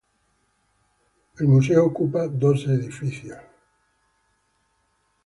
El museo ocupa dos edificios.